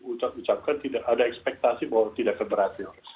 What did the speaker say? memang sudah diucapkan ada ekspektasi bahwa tidak keberhasilan